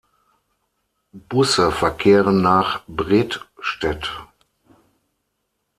Busse verkehren nach Bredstedt.